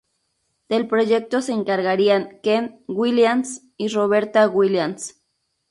Del proyecto se encargarían Ken Williams y Roberta Williams.